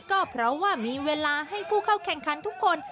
ก็เพราะว่ามีเวลาให้ผู้เข้าแข่งขันทุกคน